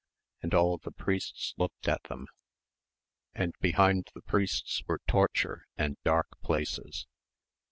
and all the priests looked at them ... and behind the priests were torture and dark places